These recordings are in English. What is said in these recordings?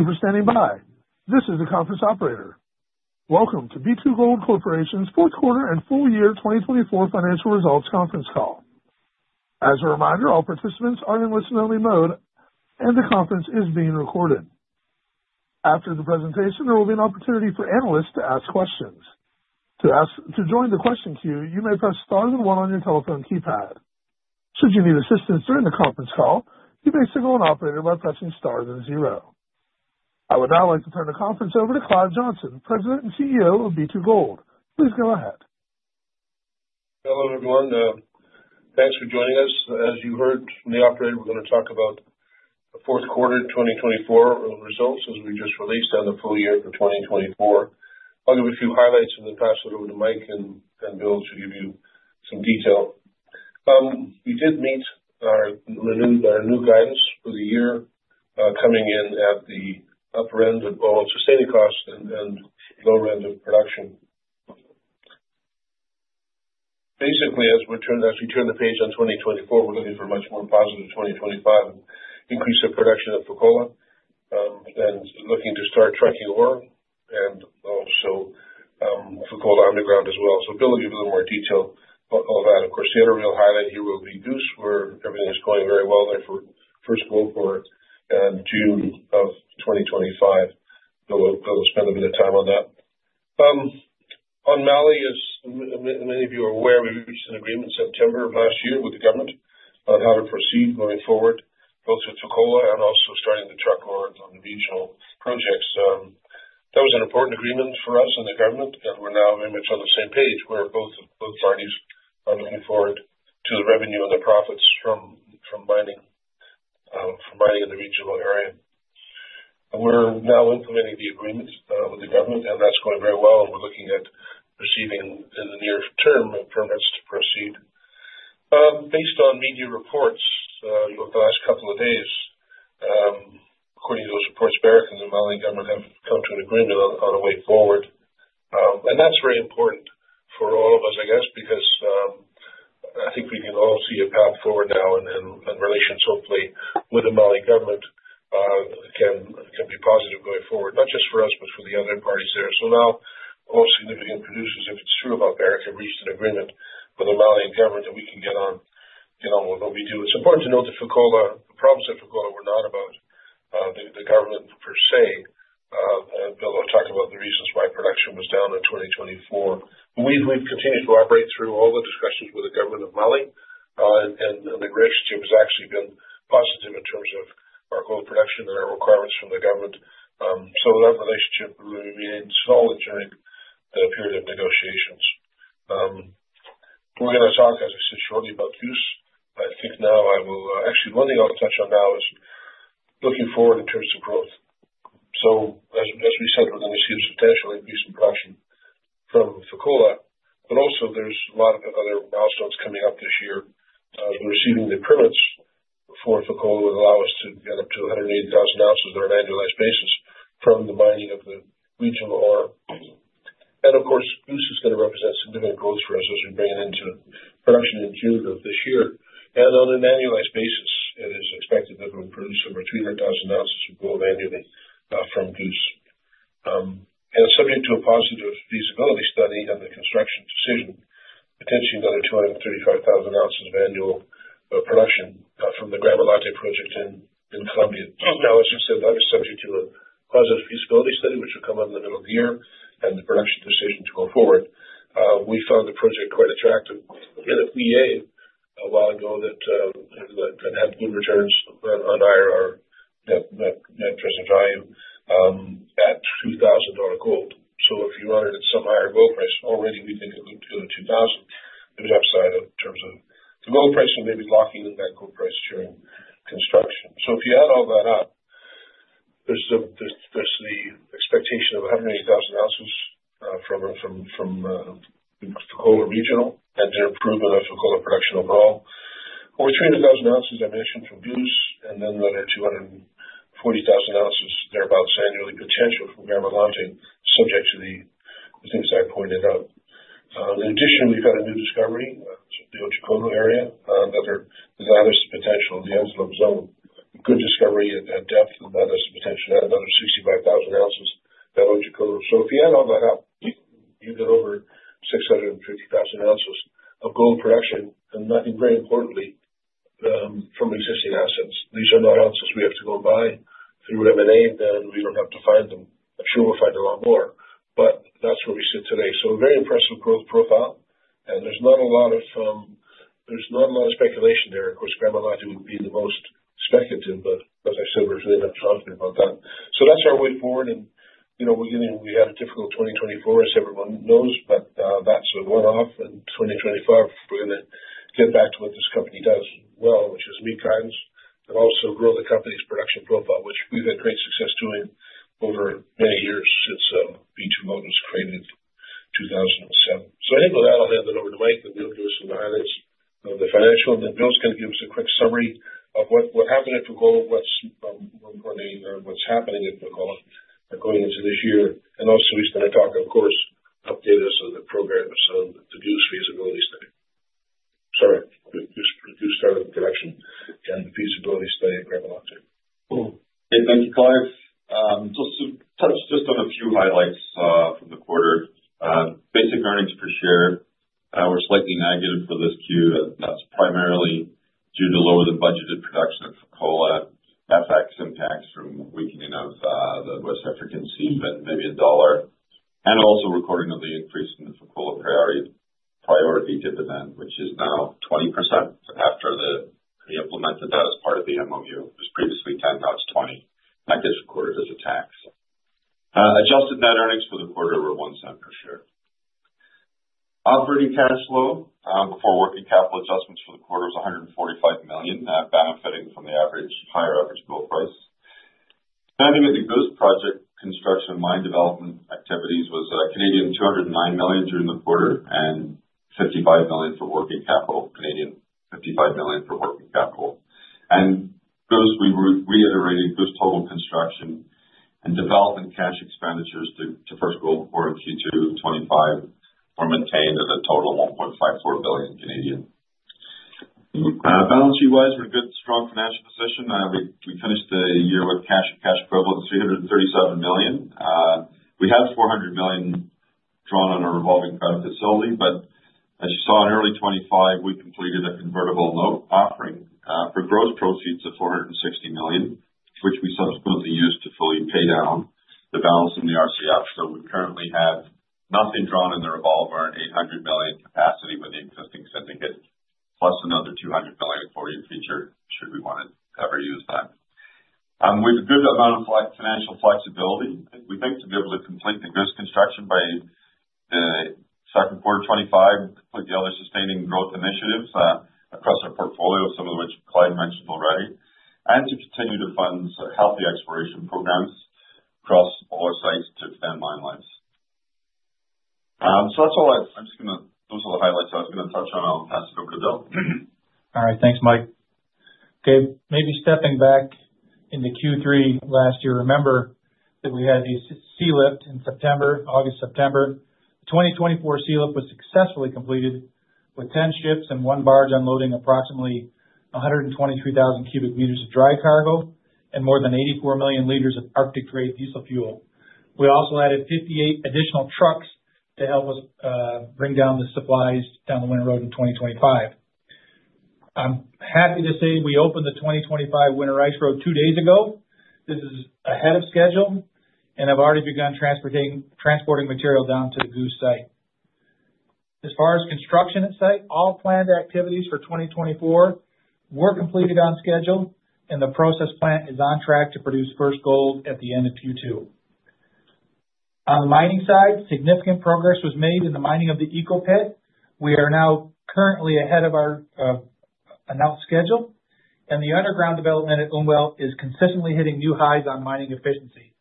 Thank you for standing by. This is the conference operator. Welcome to B2Gold Corporation's Fourth Quarter and Full Year 2024 financial results conference call. As a reminder, all participants are in listen-only mode, and the conference is being recorded. After the presentation, there will be an opportunity for analysts to ask questions. To join the question queue, you may press star and one on your telephone keypad. Should you need assistance during the conference call, you may signal an operator by pressing star and zero. I would now like to turn the conference over to Clive Johnson, President and CEO of B2Gold. Please go ahead. Hello everyone. Thanks for joining us. As you heard from the operator, we're going to talk about the Fourth Quarter of 2024 results that we just released on the full year of 2024. I'll give you two highlights from the past that Mike and Bill should give you some detail. We did meet our new guidance for the year coming in at the upper end of all-in sustaining costs and lower end of production. Basically, as we turn the page on 2024, we're looking for a much more positive 2025, increase of production at Fekola, and looking to start trucking ore and also Fekola Underground as well. So Bill will give you a little more detail about all that. Of course, the real highlight here will be Fekola where everything is going very well, like for first quarter forward and Q2 of 2025. We'll spend a bit of time on that. On Mali, as many of you are aware, we reached an agreement in September of last year with the government on how to proceed going forward, both with Fekola and also starting to tackle on regional projects. That was an important agreement for us and the government that we're now on the same page where both parties are looking forward to the revenue of the profits from mining, from mining in the regional area. We're now implementing the agreements with the government, and that's going very well. We're looking at receiving in the near term permits to proceed. Based on media reports over the last couple of days, according to those reports, Barrick and the Mali government have come to an agreement on a way forward. That's very important for all of us, I guess, because I think we can all see a path forward now, and relations, hopefully, with the Mali government can be positive going forward, not just for us, but for the other parties there. Now all significant producers, if it's true about Barrick, have reached an agreement with the Mali government that we can get on with what we do. It's important to note that Fekola problems at Fekola were not about the government per se. Bill will talk about the reasons why production was down in 2024. We've continued to cooperate through all the discussions with the government of Mali, and the relationship has actually been positive in terms of our gold production and our requirements from the government. That relationship really means the end of a period of negotiations. We're going to talk about this shortly about Goose, but I think now I will actually one thing I'll touch on now is looking forward to growth. So we said that we see potentially increase in production from Fekola, but also there's a lot of other milestones coming up this year. Receiving the permits for Fekola will allow us to have 80,000 ounces on an annualized basis from the mining of the regional ore. And of course, Goose is going to represent significant growth for us as we bring it into production in June of this year. And on an annualized basis, it is expected that we'll produce over 300,000 ounces of gold annually from Goose. And subject to a positive feasibility study and the construction decision, potentially another 235,000 ounces of annual production from the Gramalote project in Colombia. So now it's just another subject to a positive feasibility study which will come out in the middle of the year and the production decision to go forward. We found the pricing quite attractive. Again, at the PEA a while ago that had been returns on IRR, net present value, but $3,000 gold. So if you wanted some IRR gold price, at $2,000 we think of on the upside in terms of the gold pricing maybe locking the gold price during construction. So if you add all that up, there's the expectation of 180,000 ounces from Fekola Regional and then going to Fekola production overall. Over 200,000 ounces from Otjikoto and Masbate and then 240,000 ounces thereabouts annually potential from Gramalote subject to the exact permitting. In addition, we've got a new discovery in the Fekola area that there's the massive potential in the alluvial zone. Good discovery and depth of all this potential at another 65,000 ounces at Otjikoto. So if you add all that up, you get over 650,000 ounces of gold production and notably very importantly from existing assets. These are not ounces we have to go buy. If we had a mine, then we don't have to find them. Sure, we'll find a lot more, but that's where we sit today. So very impressive growth profile, and there's not a lot of speculation there. Of course, Gramalote would be the most speculative, but like I said, there's really no talk about that. So that's our way forward. You know we had a difficult 2024, as everyone knows, but that's a one-off, and 2025 is going to get back to what this company does well, which is meet times and also grow the company's production profile, which we've had great success doing over many years since B2Gold was created in 2007. So I think we'll now hand it over to Mike to give us some highlights of the financial, and then Bill's going to give us a quick summary of what we're having at Fekola, what's going on, what's happening at Fekola according to this year. And also he's going to talk, of course, update us on the programs on the Goose feasibility study. Sorry, Goose production, and feasibility study of Gramalote. In Q2, just on a few highlights from the quarter, basic earnings per share, we're slightly negative for this Q, and that's primarily due to lower than the budgeted production of Fekola, FX impacts from weakening of the West African CFA and the dollar, and also recording of the increase in the Fekola priority dividend, which is now 20% after they implemented that as part of the MOU. It was previously 10 to 20. That gets recorded as a tax. Adjusted net earnings for the quarter were $0.01 per share. Operating cash flow after working capital adjustments for the quarter was $145 million, benefiting from higher average gold price. Adding in the Goose Project construction and mine development activities was 209 million during the quarter and $55 million for working capital. Goose Project, we were reiterating our total construction and development cash expenditures to first gold for 2025 were maintained at a total of 1.54 billion Canadian dollars. Balance sheet-wise, we're good, strong financial position. We finished the year with cash and equivalents of 337 million. We have 400 million drawn on our revolving credit facility, but as you saw in early 2025, we completed a convertible loan offering for gross proceeds of 460 million, which we subsequently used to fully pay down the balance of the RCF. We currently have nothing drawn in the revolver at 800 million capacity with the existing syndicate, plus another 200 million accordion feature should we want to ever use that. We have a good amount of financial flexibility. We think to be able to complete the Goose construction by the second quarter of 2025, complete the other sustaining growth initiatives, accretive portfolio of some of which Clive mentioned already, and continue to fund healthy exploration programs across all its sites to extend mine lives. That's all. Those are the highlights I was going to touch on. I'll pass the floor to Will. All right, thanks, Mike. Okay, maybe stepping back in the Q3 last year, remember that we had a sealift in September, August, September. The 2024 sealift was successfully completed with 10 ships and one barge unloading approximately 123,000 cubic meters of dry cargo and more than 84 million liters of Arctic-grade diesel fuel. We also added 58 additional trucks to help us bring down the supplies down the winter road of 2025. I'm happy to say we opened the 2025 Winter Ice Road two days ago. This is ahead of schedule, and I've already begun transporting material down to the Goose site. As far as construction at site, all planned activities for 2024 were completed on schedule, and the process plant is on track to produce first gold at the end of Q2. On the mining side, significant progress was made in the mining of the Echo Pit. We are now currently ahead of our announced schedule, and the underground development at Umwelt is consistently hitting new highs on mining efficiency.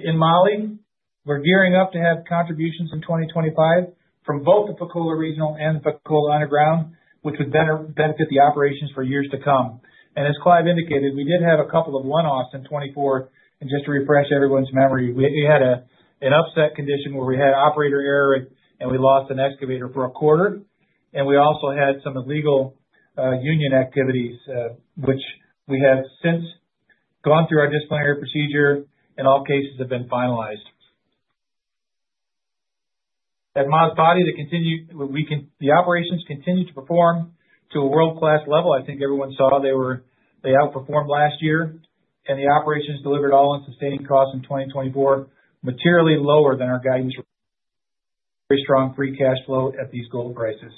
In Mali, we're gearing up to have contributions in 2025 from both the Fekola Regional and the Fekola Underground, which would benefit the operations for years to come. As Clive indicated, we did have a couple of one-offs in 2024. Just to refresh everyone's memory, we had an upset condition where we had operator error, and we lost an excavator for a quarter. We also had some illegal union activities, which we have since gone through our disciplinary procedure, and all cases have been finalized. As Masbate, the operations continue to perform to a world-class level. I think everyone saw they outperformed last year, and the operations delivered All-In Sustaining Costs in 2024, materially lower than our guidance. Very strong free cash flow at these gold prices.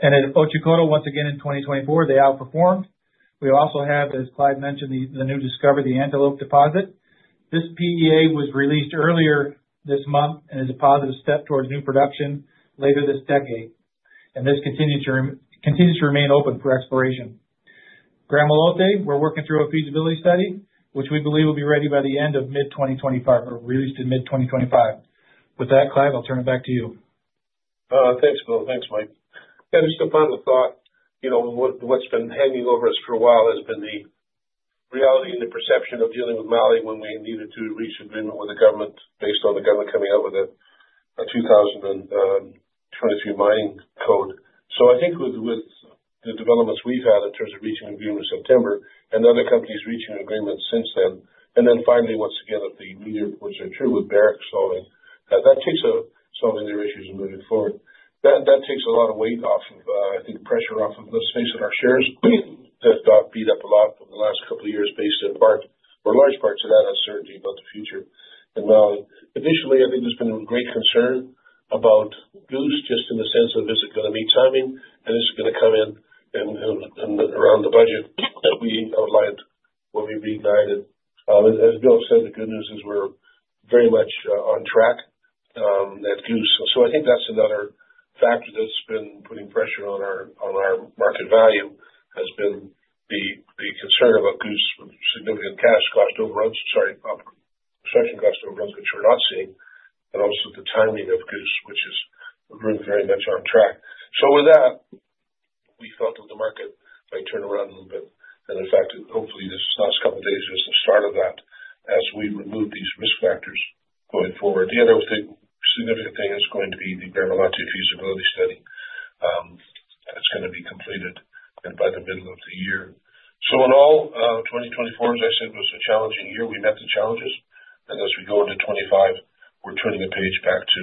And at Otjikoto, once again in 2024, they outperformed. We also have, as Clive mentioned, the new discovery, the Antelope Deposit. This PEA was released earlier this month and is a positive step towards new production later this decade. And this continues to remain open for exploration. Gramalote, we're working through a feasibility study, which we believe will be ready by the end of mid-2025. It'll be released in mid-2025. With that, Clive, I'll turn it back to you. Thanks, Bill. Thanks, Mike. And just a final thought, you know what's been hanging over us for a while has been the reality and the perception of dealing with Mali when we needed to reach an agreement with the government based on the government coming out with the 2023 mine code. So I think with the developments we've had in terms of reaching an agreement in September and other companies reaching an agreement since then, and then finally, once again, if the media reports are true with Barrick solving their issues and moving forward. That takes a lot of weight off of, I think, pressure off of those things that our shares have got beat up a lot over the last couple of years based in part or large parts of that uncertainty about the future. Now, additionally, I think there's been great concern about Goose just in the sense of this is going to be timing and this is going to come in and around the budget that we outlined when we updated. As Bill said, the good news is we're very much on track at Goose. So I think that's another factor that's been putting pressure on our market value has been the concern about Goose with significant cash cost overruns, sorry, construction cost overruns which we're not seeing, and also the timeline of Goose, which is we're doing very much on track. So with that, we thought that the market might turn around a little bit. And in fact, hopefully, this last couple of days is the start of that as we remove these risk factors going forward. The other significant thing is going to be the Gramalote feasibility study that's going to be completed by the middle of the year. So in all, 2024, as I said, was a challenging year. We met the challenges. And as we go into 2025, we're turning the page back to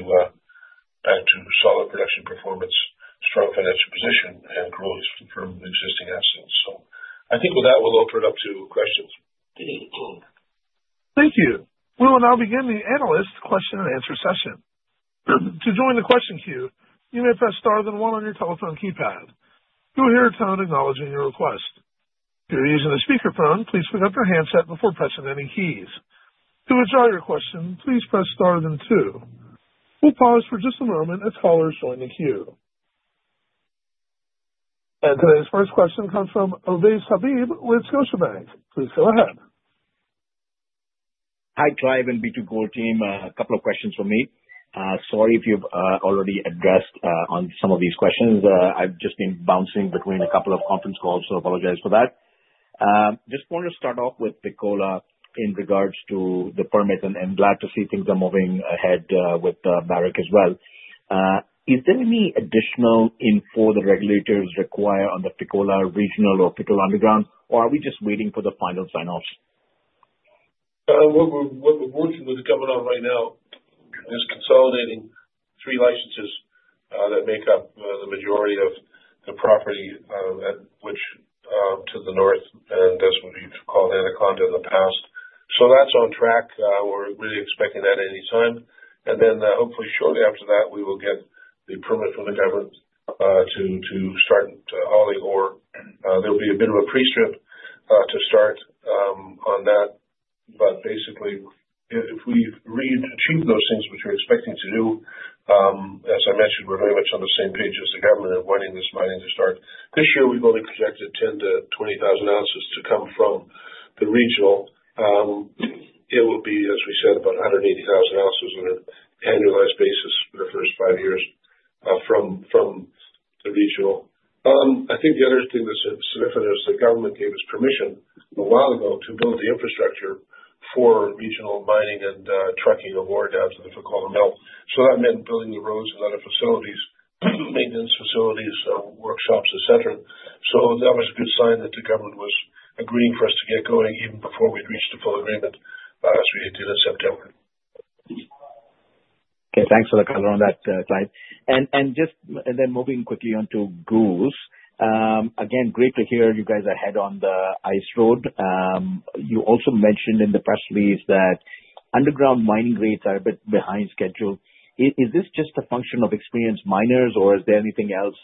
solid production performance, strong financial position, and growth from existing assets. So I think with that, we'll open it up to questions. Thank you. We will now begin the analyst question and answer session. To join the question queue, you may press star then one on your telephone keypad. You will hear a sound acknowledging your request. If you're using a speakerphone, please pick up your handset before pressing any keys. To withdraw your question, please press star then two. We'll pause for just a moment as callers join the queue. Today's first question comes from Ovais Habib with Scotiabank. Please go ahead. Hi, Clive and B2Gold team. A couple of questions for me. Sorry if you've already addressed some of these questions. I've just been bouncing between a couple of conference calls, so I apologize for that. Just wanted to start off with Fekola in regards to the permit, and I'm glad to see things are moving ahead with Barrick as well. Is there any additional info the regulators require on the Fekola Regional or Fekola Underground, or are we just waiting for the final sign-offs? What we're working with the government on right now is consolidating three licenses that make up the majority of the property, which to the north and that's what we've called Anaconda in the past. So that's on track. We're really expecting that at any time. And then hopefully shortly after that, we will get the permit from the government to start hauling ore. There'll be a bit of a pre-strip to start on that. But basically, if we achieve those things, which we're expecting to do, as I mentioned, we're very much on the same page as the government of wanting this mining to start. This year, we've only projected 10-20,000 ounces to come from the regional. It would be, as we said, about 180,000 ounces on an annualized basis for the first five years from the regional. I think the other thing that's significant is the government gave us permission a while ago to build the infrastructure for regional mining and trucking of ore down to the Fekola mill. So that meant building the roads and other facilities, maintenance facilities, workshops, etc. So that was a good sign that the government was agreeing for us to get going even before we reached a full agreement as we did this September. Okay, thanks for the comment on that, Clive. And just then moving quickly on to Goose. Again, great to hear you guys ahead on the ice road. You also mentioned in the press release that underground mining rates are a bit behind schedule. Is this just a function of experienced miners, or is there anything else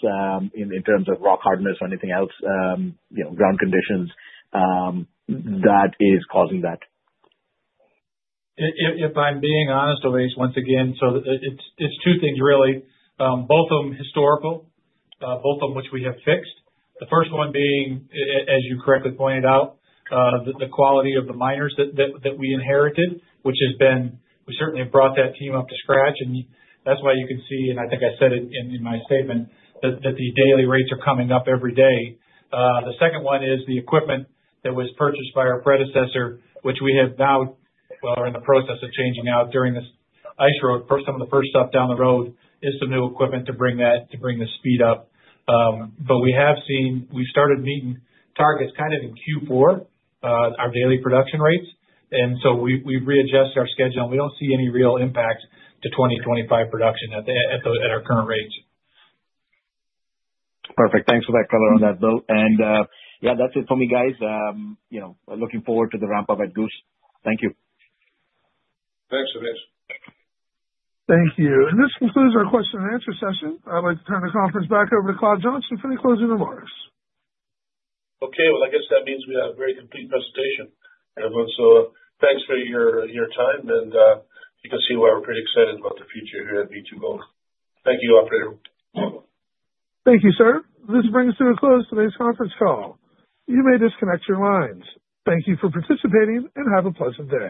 in terms of rock hardness or anything else, ground conditions, that is causing that? If I'm being honest, Ovais, once again, so it's two things really. Both of them historical, both of them which we have fixed. The first one being, as you correctly pointed out, the quality of the miners that we inherited, which has been, we certainly have brought that team up to scratch. And that's why you can see, and I think I said it in my statement, that the daily rates are coming up every day. The second one is the equipment that was purchased by our predecessor, which we have now, well, are in the process of changing out during this ice road. First time on the first stop down the road is some new equipment to bring the speed up. But we have seen, we started meeting targets kind of in Q4, our daily production rates. And so we've readjusted our schedule, and we don't see any real impact to 2025 production at our current rates. Perfect. Thanks for that, Clive, on that note. And yeah, that's it for me, guys. Looking forward to the ramp-up at Goose. Thank you. Thanks, Ovais. Thank you. And this concludes our question and answer session. I'd like to turn the conference back over to Clive Johnson for the closing remarks. Okay, well, I guess that means we have a very complete presentation, everyone, so thanks for your time, and you can see why we're pretty excited about the future here at B2Gold. Thank you, operator. Thank you, sir. This brings us to the close of today's conference call. You may disconnect your lines. Thank you for participating and have a pleasant day.